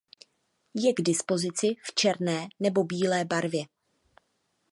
Je k dispozici v černé nebo bílé barvě.